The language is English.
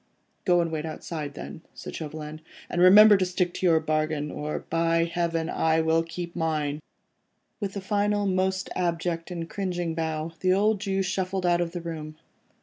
"Go and wait outside then," said Chauvelin, "and remember to stick to your bargain, or by Heaven, I will keep to mine." With a final, most abject and cringing bow, the old Jew shuffled out of the room.